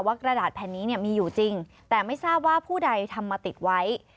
กระดาษแผ่นนี้มีอยู่จริงแต่ไม่ทราบว่าผู้ใดทำมาติดไว้